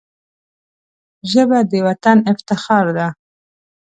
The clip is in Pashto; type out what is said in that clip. ژبه د وطن افتخار ده